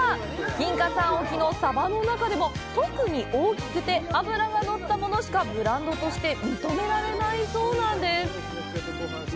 金華山沖のサバの中でも特に大きくて脂が乗ったものしかブランドとして認められないそうなんです。